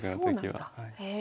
あそうなんだ。